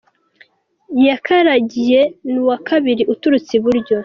Yakaragiye ni uwa kabiri uturutse iburyo.